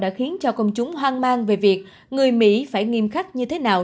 đã khiến cho công chúng hoang mang về việc người mỹ phải nghiêm khắc như thế nào